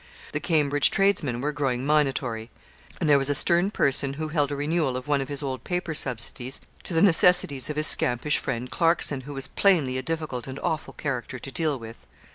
The Cambridge tradesmen were growing minatory; and there was a stern person who held a renewal of one of his old paper subsidies to the necessities of his scampish friend Clarkson, who was plainly a difficult and awful character to deal with.